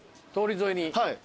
はい。